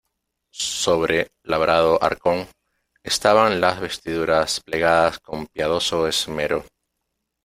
sobre labrado arcón estaban las vestiduras plegadas con piadoso esmero.